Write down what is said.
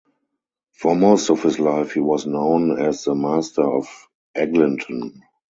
For most of his life he was known as the "Master of Eglinton".